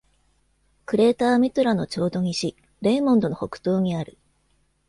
クレーターミトラのちょうど西、レイモンドの北東にある。